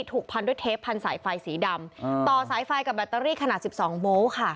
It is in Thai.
ถูกพันด้วยเทปพันสายไฟสีดำต่อสายไฟกับแบตเตอรี่ขนาด๑๒โบ๊ทค่ะ